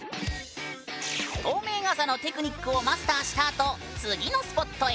透明傘のテクニックをマスターしたあと次のスポットへ！